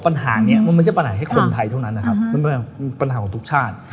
ปัญหานี้มันไม่ใช่ปัญหาให้คนไทยเท่านั้นนะครับมันเป็นปัญหาของทุกชาติ